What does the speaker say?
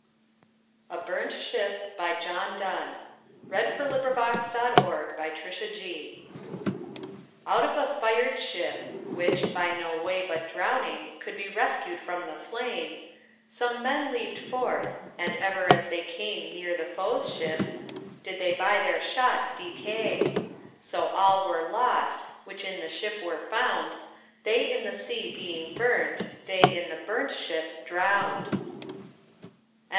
Donnesister projects: Wikidata item. 202919A Burnt ShipJohn Donne Out of a fired ship, which, by no way But drowning, could be rescued from the flame, Some men leap'd forth, and ever as they came Neere the foes ships, did by their shot decay; So all were lost, which in the ship were found, They in the sea being burnt, they in the burnt ship drown'd.